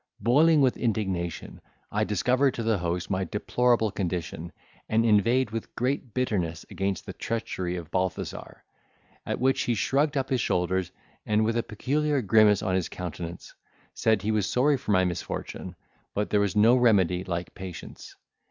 Boiling with indignation, I discovered to the host my deplorable condition, and inveighed with great bitterness against the treachery of Balthazar; at which he shrugged up his shoulders, and with a peculiar grimace on his countenance, said, he was sorry for my misfortune, but there was no remedy like patience.